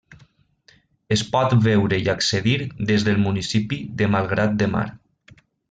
Es pot veure i accedir des del municipi de Malgrat de Mar.